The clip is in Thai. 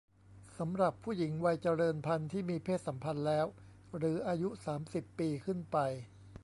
สำหรับผู้หญิงวัยเจริญพันธุ์ที่มีเพศสัมพันธ์แล้ว หรืออายุ สามสิบ ปีขึ้นไป